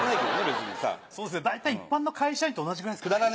そうですね大体一般の会社員と同じぐらいですかね。